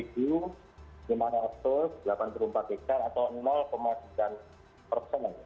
lima ratus delapan puluh empat hektare atau sembilan persen